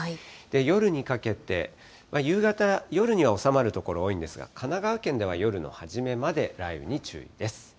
夜にかけて夕方、夜には収まる所多いんですが、神奈川県では夜の初めまで雷雨に注意です。